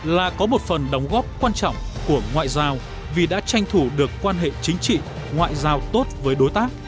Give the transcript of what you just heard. là có một phần đóng góp quan trọng của ngoại giao vì đã tranh thủ được quan hệ chính trị ngoại giao tốt với đối tác